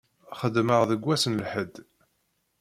Xeddmeɣ deg wass n Lḥedd.